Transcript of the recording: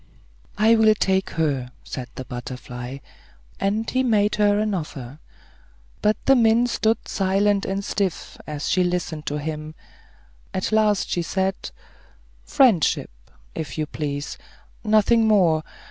"I will take her," said the butterfly; and he made her an offer. But the mint stood silent and stiff, as she listened to him. At last she said, "Friendship, if you please; nothing more.